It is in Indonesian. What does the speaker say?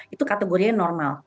itu kategorinya normal